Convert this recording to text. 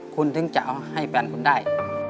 คุณถึงจะเอาให้แฟนคุณได้